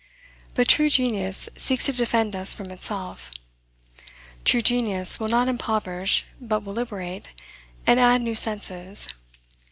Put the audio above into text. But true genius seeks to defend us from itself. True genius will not impoverish, but will liberate, and add new senses.